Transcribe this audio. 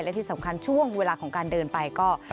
และที่สำคัญช่วงเวลาของการเดินไปก็